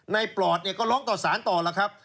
ในปลอดก็ร้องต่อสารต่อล่ะครับ